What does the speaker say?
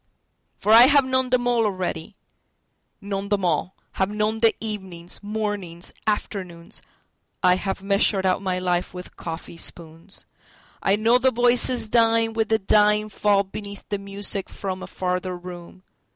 For I have known them all already, known them all:Have known the evenings, mornings, afternoons,I have measured out my life with coffee spoons;I know the voices dying with a dying fallBeneath the music from a farther room.